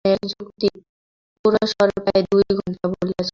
বক্তা এই ধরনের যুক্তি-পুরঃসর প্রায় দুই ঘণ্টা বলিয়া চলেন।